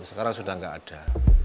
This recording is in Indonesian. sekarang sudah enggak ada